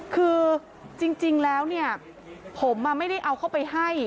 คือจริงแล้วเนี่ยผมไม่ได้เอาเข้าไปให้